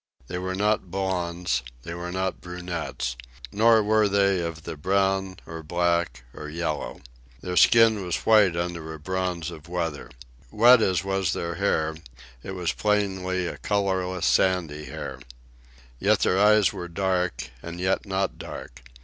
They were not blonds. They were not brunettes. Nor were they of the Brown, or Black, or Yellow. Their skin was white under a bronze of weather. Wet as was their hair, it was plainly a colourless, sandy hair. Yet their eyes were dark—and yet not dark.